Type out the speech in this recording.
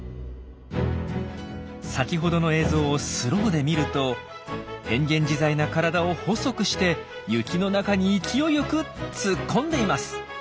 先ほどの映像をスローで見ると変幻自在な体を細くして雪の中に勢いよく突っ込んでいます。